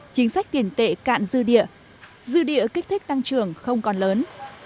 chính sách tiền tệ cạn dư địa dư địa kích thích tăng trưởng không còn lớn